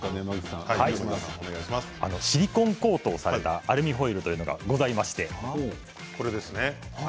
シリコンコートされたアルミホイルというのがございましてこれですね。